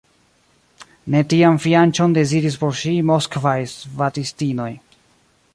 Ne tian fianĉon deziris por ŝi moskvaj svatistinoj!